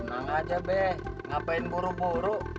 nang aja be ngapain buru buru